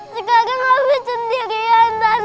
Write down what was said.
sekarang aku sendirian tante